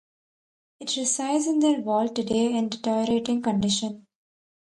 It resides in their vault today in deteriorating condition.